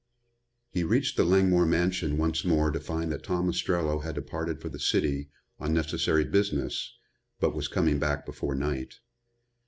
He reached the Langmore mansion once more to find that Tom Ostrello had departed for the city on necessary business but was coming back before night.